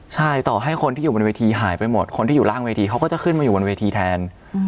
ใช่ต่อให้คนที่อยู่บนเวทีหายไปหมดคนที่อยู่ล่างเวทีเขาก็จะขึ้นมาอยู่บนเวทีแทน